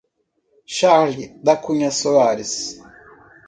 Charle da Cunha Soares